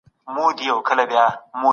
لیکوال خپل دلایل په ساده ژبه بیانوي.